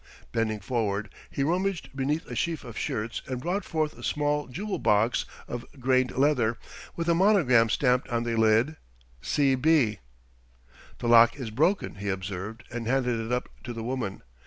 Bending forward, he rummaged beneath a sheaf of shirts and brought forth a small jewel box of grained leather, with a monogram stamped on the lid "C.B." "The lock is broken," he observed, and handed it up to the woman.